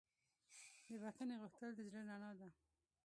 د بښنې غوښتل د زړه رڼا ده.